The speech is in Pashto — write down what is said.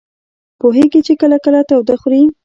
پوهېږي چې کله کله تاوده خوري.